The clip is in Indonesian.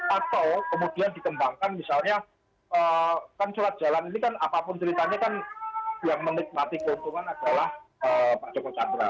atau kemudian dikembangkan misalnya kan surat jalan ini kan apapun ceritanya kan yang menikmati keuntungan adalah pak joko chandra